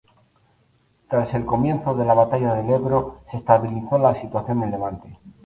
Tras el comienzo de la batalla del Ebro se estabilizó la situación en Levante.